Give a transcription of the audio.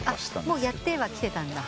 もうやってはきてたんだ。